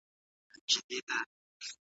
څنګه د طلاق کچه د وخت په تېرېدو سره بدلیږي؟